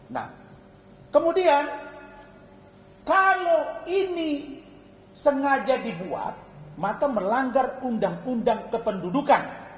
nah kemudian kalau ini sengaja dibuat maka melanggar undang undang kependudukan